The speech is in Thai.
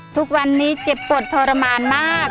ทุกวันนี้เจ็บปวดทรมานมาก